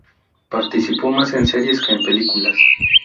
Participó más en series que en películas.